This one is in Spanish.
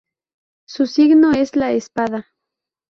Su signo es la espada.